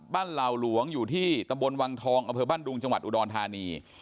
เหล่าหลวงอยู่ที่ตำบลวังทองอำเภอบ้านดุงจังหวัดอุดรธานี